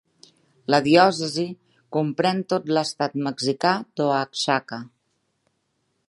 La diòcesi comprèn tot l'estat mexicà d'Oaxaca.